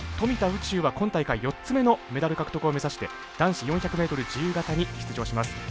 宇宙は今大会４つ目のメダル獲得を目指して男子４００ｍ自由形に出場します。